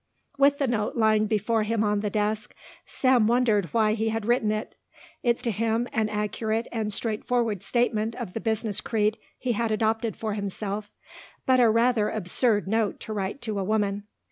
With the note lying before him on the desk Sam wondered why he had written it. It seemed to him an accurate and straightforward statement of the business creed he had adopted for himself, but a rather absurd note to write to a woman.